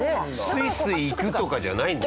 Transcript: スイスイ行くとかじゃないんだ。